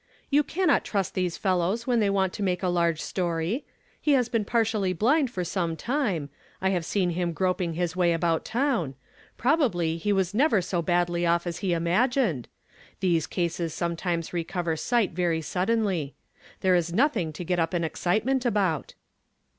" You cannot trust these fellows when they want to make a large story. He has been partially blind for some time. I liave seen him groping his way about town ; probal)ly he was never so badly off as he imagined. Thes^ 238 YESTERDAY FRAMED IN TO DAY. cases sometimes recover sight very suddenly. There is notliing to get up an excitement about."